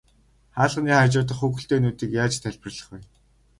Хаалганы хажуу дахь хүүхэлдэйнүүдийг яаж тайлбарлах вэ?